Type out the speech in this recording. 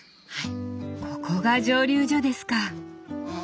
ここが蒸留所ですか！